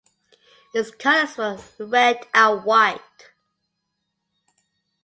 Its colours were red and white.